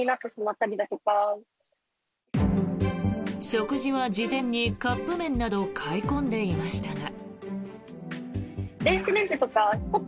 食事は事前にカップ麺など買い込んでいましたが。